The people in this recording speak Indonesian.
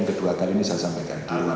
tidak usah saya